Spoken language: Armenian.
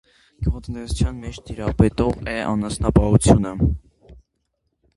Գյուղատնտեսության մեջ տիրապետող է անասնապահությունը։